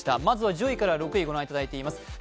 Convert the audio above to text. まずは１０位から６位をご覧いただいています。